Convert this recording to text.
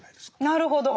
なるほど！